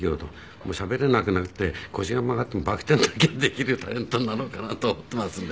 もうしゃべれなくなって腰が曲がってもバク転だけはできるタレントになろうかなと思っていますんで。